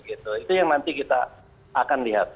itu yang nanti kita akan lihat